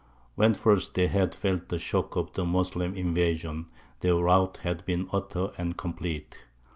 When first they had felt the shock of the Moslem invasion, their rout had been utter and complete.